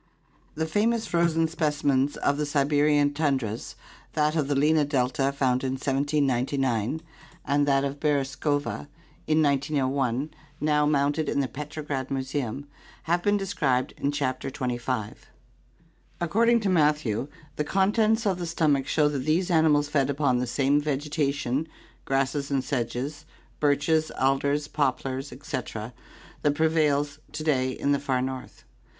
The famous frozen specimens of the Siberian tundras, that of the Lena delta found in 1799, and that of ORGANIC EVOLUTION Beresovka in iooi now mounted in the Petrograd Museum, have been described in Chapter XXV. According to Matthew, the contents of the stomach show that these animals fed upon the same vegetation, grasses and sedges, birches, alders, poplars, etc., that prevails to day in the far north.